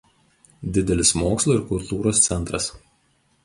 Didelis mokslo ir kultūros centras.